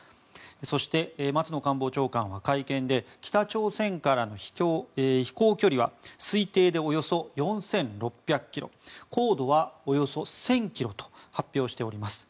そして、松野官房長官は会見で北朝鮮からの飛行距離は推定でおよそ４６００ｋｍ高度はおよそ１０００ｋｍと発表しております。